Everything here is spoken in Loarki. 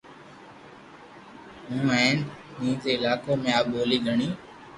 ھون ھين سند ري علاقون ۾ آ ٻولي گھڻي